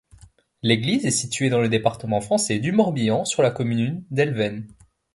L’église est située dans le département français du Morbihan, sur la commune d'Elven.